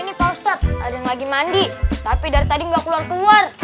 ini pak ustadz ada yang lagi mandi tapi dari tadi nggak keluar keluar